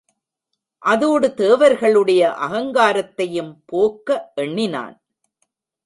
அதோடு தேவர்களுடைய அகங்காரத்தையும் போக்க எண்ணினான்.